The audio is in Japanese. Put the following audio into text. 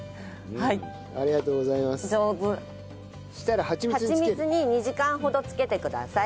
はちみつに２時間ほど漬けてください。